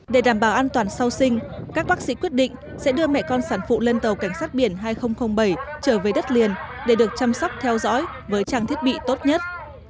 để đảm bảo an toàn sau sinh các bác sĩ quyết định sẽ đưa mẹ con sản phụ lên tàu cảnh sát biển hai nghìn bảy trở về đất liền để được chăm sóc theo dõi với trang thiết bị tốt nhất